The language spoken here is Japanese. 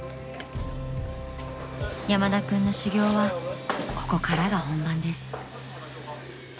［山田君の修業はここからが本番です］